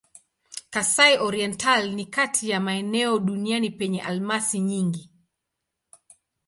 Kasai-Oriental ni kati ya maeneo duniani penye almasi nyingi.